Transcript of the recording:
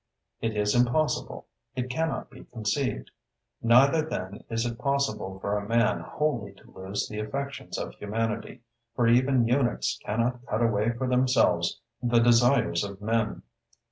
It is impossible, it cannot be conceived. Neither, then, is it possible for a man wholly to lose the affections of humanity, for even eunuchs cannot cut away for themselves the desires of men.